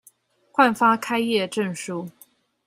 換發開業證書